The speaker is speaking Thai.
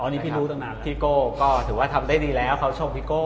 อันนี้พี่รู้ตอนนั้นพี่โก้ก็ถือว่าทำได้ดีแล้วเขาชมพี่โก้